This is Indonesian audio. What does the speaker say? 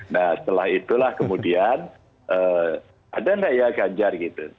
nah setelah itulah kemudian ada naya ganjar gitu